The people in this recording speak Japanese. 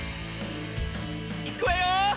いくわよ！